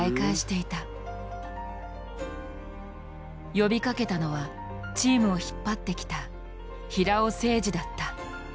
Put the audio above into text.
呼びかけたのはチームを引っ張ってきた平尾誠二だった。